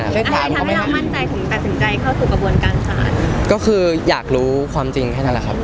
ครับคือความจริงแค่นั้นละครับ